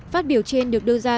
phát biểu trên được đưa ra